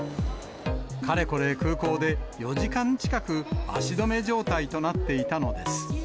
かれこれ空港で４時間近く足止め状態となっていたのです。